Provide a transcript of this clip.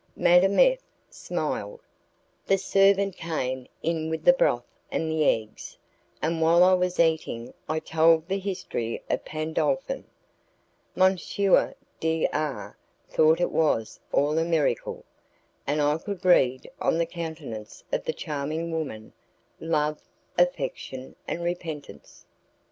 Madame F smiled. The servant came in with the broth and the eggs, and while I was eating I told the history of Pandolfin. M. D R thought it was all a miracle, and I could read, on the countenance of the charming woman, love, affection, and repentance.